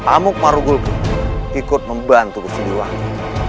amuk marugulku ikut membantu siliwangi